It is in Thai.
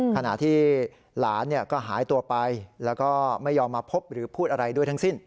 ขณะที่หลานก็หายตัวไปแล้วก็ไม่ยอมมาพบหรือพูดอะไรด้วยทั้งสิ้น